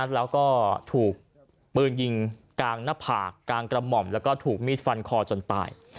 แล้วก็ถูกปืนยิงกลางหน้าผากกลางกระหม่อมแล้วก็ถูกมีดฟันคอจนตาย